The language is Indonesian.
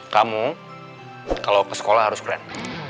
kamu kalau ke sekolah harus brand